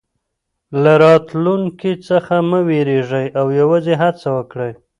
له راتلونکي څخه مه وېرېږئ او یوازې هڅه وکړئ.